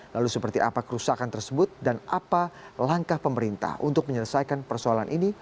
lalu seperti apa kerusakan tersebut dan apa langkah pemerintah untuk menyelesaikan persoalan ini